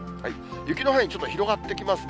雪の範囲、ちょっと広がってきますね。